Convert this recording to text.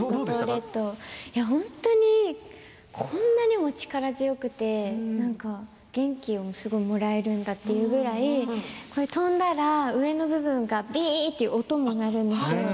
本当にこんなにも力強くて元気をすごくもらえるんだというぐらい、飛んだら上の部分がビーっと音が鳴るんですよ。